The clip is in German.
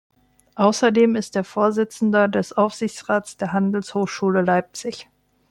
Außerdem ist der Vorsitzender des Aufsichtsrats der Handelshochschule Leipzig.